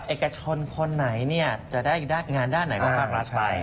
เอกชนคนไหนเนี่ยจะได้งานด้านไหนของภาครัฐไป